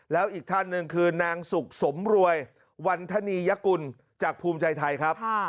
แล้วอีกท่านหนึ่งคือนางสุขสมรวยวันธนียกุลจากภูมิใจไทยครับ